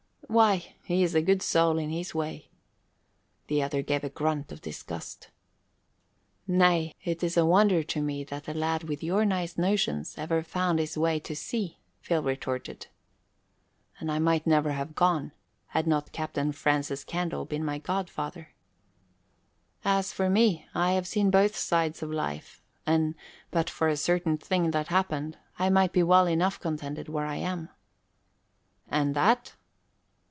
"Why, he is a good soul in his way." The other gave a grunt of disgust. "Nay, it is a wonder to me that a lad with your nice notions ever found his way to sea," Phil retorted. "And I might never have gone, had not Captain Francis Candle been my godfather." "As for me, I have seen both sides of life; and, but for a certain thing that happened, I might be well enough contented where I am." "And that?"